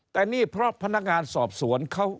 แต่นี่เพราะพนักงานสอบสวนเขา